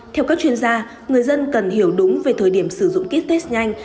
theo các chuyên gia người dân cần hiểu đúng về thời điểm sử dụng kit test nhanh